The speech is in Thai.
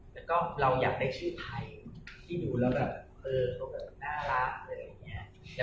แล้วเราก็อยากได้ชื่อไทยที่ดูแล้วแบบเฮ้อ